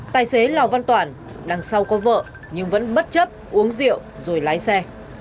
tài xế lào văn toản đằng sau có vợ nhưng vẫn bất chấp uống rượu rồi lái xe